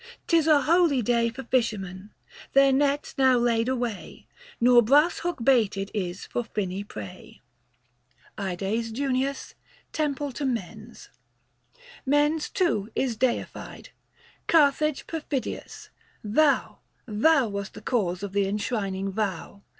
This is a holy day For fishermen ; their nets now laid away, Nor brass hook baited is for finny prey. 285 VI. ID. JUN. TEMPLE TO MENS. Mens, too, is deified : Carthage perfidious, thou Thou wast the cause of the enshrining vow.